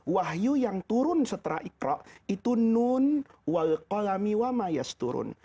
wahyu yang turun setelah ikhraq itu nun walqolami wa mayas turun